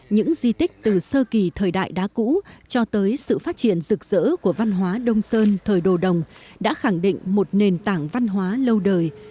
những di tích từ sơ kỳ thời đại đá cũ cho tới sự phát triển rực rỡ của văn hóa đông sơn thời đồ đồng đã khẳng định một nền tảng văn hóa lâu đời